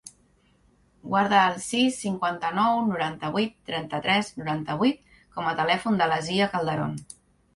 Guarda el sis, cinquanta-nou, noranta-vuit, trenta-tres, noranta-vuit com a telèfon de l'Asia Calderon.